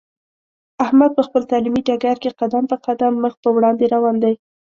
احمد په خپل تعلیمي ډګر کې قدم په قدم مخ په وړاندې روان دی.